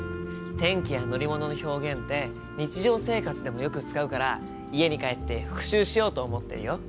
天気や乗り物の表現って日常生活でもよく使うから家に帰って復習しようと思ってるよ。